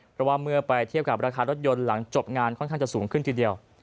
เพราะว่าเมื่อไปเทียบกับราคารถยนต์หลังจบงานค่อนข้างจะสูงขึ้นทีเดียว